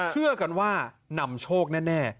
เชื่อกันว่านำโชคแน่